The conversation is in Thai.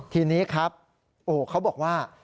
ทีนี้ครับโอ้เขาบอกว่า